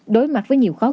đối mặt với nhiều khách hàng